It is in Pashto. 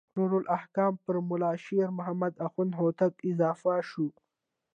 نور الحکم پر ملا شیر محمد اخوند هوتکی اضافه شو.